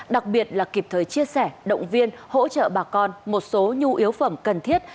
đặc biệt là kịp thời chia sẻ động viên hỗ trợ bà con một số nhu yếu phẩm cần thiết